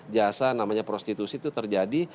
jasa namanya prostitusi itu terjadi